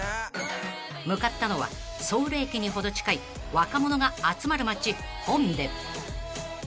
［向かったのはソウル駅に程近い若者が集まる街弘大］